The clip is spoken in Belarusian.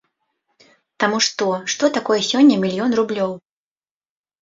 Таму што, што такое сёння мільён рублёў?